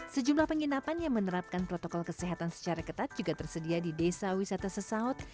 sejumlah penginapan yang menerapkan protokol kesehatan secara ketat juga tersedia di desa wisata sesaat